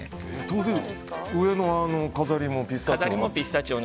当然、上の飾りもピスタチオ？